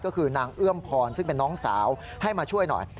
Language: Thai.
ก็คือนางเอื้อมพรซึ่งเป็นน้องสาวให้มาช่วยหน่อย